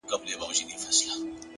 مثبت فکر د وېرې وزن کموي